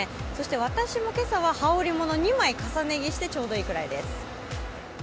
私も今朝は羽織もの２枚重ね着してちょうどいいぐらいです。